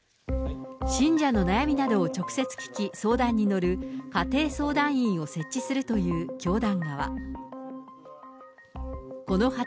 信者の悩みなどを直接聞き、相談に乗る家庭相談員を設置するという教団側。